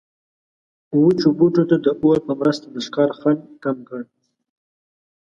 وچو بوټو د اور په مرسته د ښکار خنډ کم کړ.